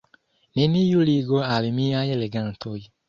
Neniu ligo al miaj legantoj.